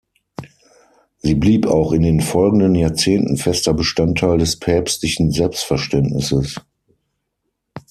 Sie blieb auch in den folgenden Jahrzehnten fester Bestandteil des päpstlichen Selbstverständnisses.